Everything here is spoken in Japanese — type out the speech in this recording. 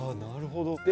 なるほど。